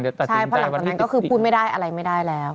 ใช่เพราะหลังจากนั้นก็คือพูดไม่ได้อะไรไม่ได้แล้ว